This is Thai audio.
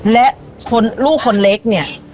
และลูกคนเล็กเนี่ย